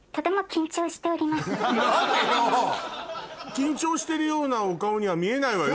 緊張してるようなお顔には見えないわよ